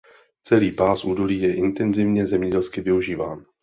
Celý pás údolí je intenzivně zemědělsky využíván.